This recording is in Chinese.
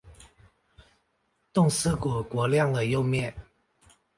冻尸骨国亮了又灭。